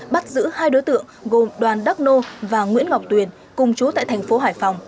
bắt giữ hai đối tượng gồm đoàn đắc nô và nguyễn ngọc tuyền cùng chú tại thành phố hải phòng